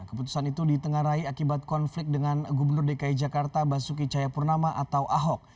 keputusan itu ditengarai akibat konflik dengan gubernur dki jakarta basuki cayapurnama atau ahok